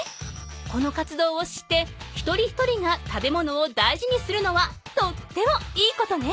この活動を知って一人一人が食べ物を大事にするのはとってもいいことね。